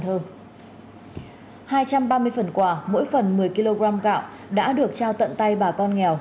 hai trăm ba mươi phần quà mỗi phần một mươi kg gạo đã được trao tận tay bà con nghèo